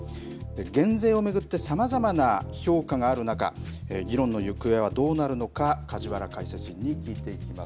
減税を巡ってさまざまな評価がある中議論の行方はどうなるのか梶原解説委員に聞いていきます。